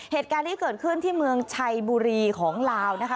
เหตุการณ์นี้เกิดขึ้นที่เมืองชัยบุรีของลาวนะคะ